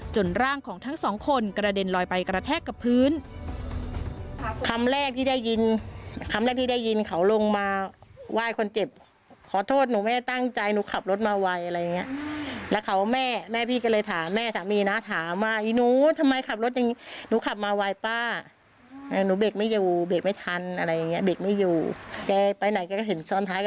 ร่างของทั้งสองคนกระเด็นลอยไปกระแทกกับพื้น